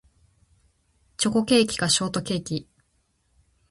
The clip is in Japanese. チョコケーキかショートケーキ